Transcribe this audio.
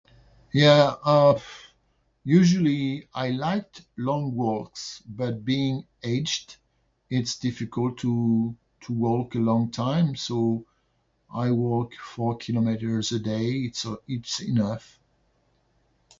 Yeah, uh, usually I liked long walks. But, being aged, it's difficult to to walk a long time, so I walk four kilometers a day. It's, uh, it's enough.